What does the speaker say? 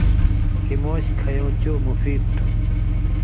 کِمُوش کھیٶں چو مفید تُھو۔